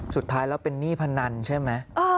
สุดท้ายแล้วเป็นหนี้พนันใช่ไหม